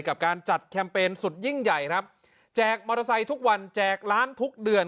กับการจัดแคมเปญสุดยิ่งใหญ่ครับแจกมอเตอร์ไซค์ทุกวันแจกล้านทุกเดือน